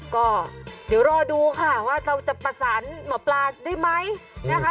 ก็เดี๋ยวรอดูค่ะว่าเราจะประสานหมอปลาได้ไหมนะคะ